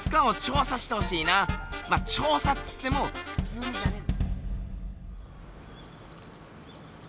まっ調査っつってもふつうじゃねえんだ。